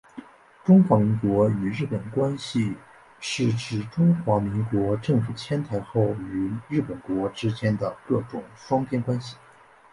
中华民国与日本关系是指中华民国政府迁台后与日本国之间的各种双边关系。